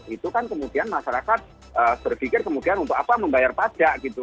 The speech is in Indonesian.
itu kan kemudian masyarakat berpikir kemudian untuk apa membayar pajak gitu